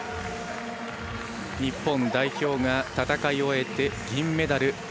日本代表が戦い終えて銀メダル。